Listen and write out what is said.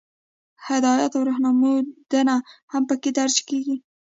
هدایات او رهنمودونه هم پکې درج کیږي.